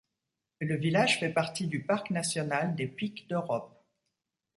Le village fait partie du Parc National des Pics d'Europe.